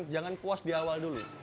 jangan puas di awal dulu